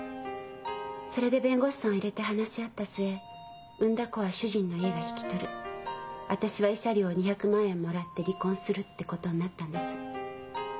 それで弁護士さんを入れて話し合った末産んだ子は主人の家が引き取る私は慰謝料を２００万円もらって離婚するってことになったんです。